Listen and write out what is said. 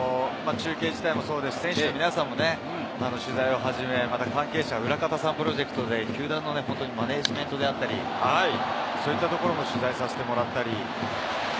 中継自体もそうですし、選手の皆さんにも取材をはじめ、裏方さん、プロジェクトでもマネジメントであったり、そういうところを取材させてもらいました。